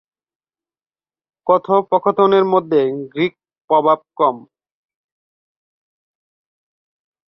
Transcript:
কথোপকথনের মধ্যে গ্রিক প্রভাব কম।